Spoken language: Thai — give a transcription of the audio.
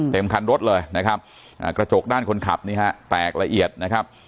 เต็มคันรถเลยนะครับกระจกด้านคนขับนี่ฮะแตกละเอียดนะครับ